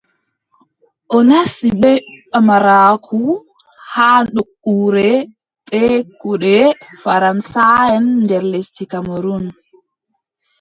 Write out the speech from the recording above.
O nasti bee pamaraaku haa nokkure bee kuuɗe faraŋsaʼen nder lesdi Kamerun,